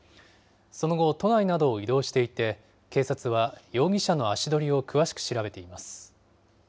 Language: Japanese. その後、都内などを移動していて、警察は容疑者の足取りを詳しく調べています。